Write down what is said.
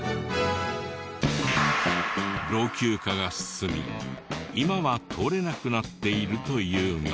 老朽化が進み今は通れなくなっているというが。